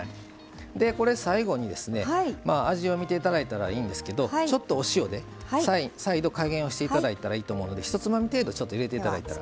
これ最後に味を見ていただいたらいいんですけどちょっとお塩で再度加減をしていただいたらいいと思うのでひとつまみ程度入れていただいたら。